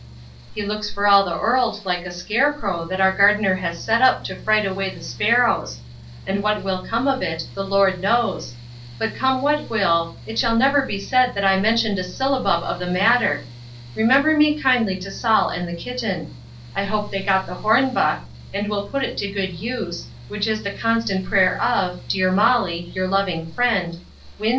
He looks for all the orld like the scare crow that our gardener has set up to frite away the sparrows; and what will come of it, the Lord knows; but come what will, it shall never be said that I menchioned a syllabub of the matter Remember me kindly to Saul and the kitten I hope they got the horn buck, and will put it to a good yuse, which is the constant prayer of, Dear Molly, Your loving friend, WIN.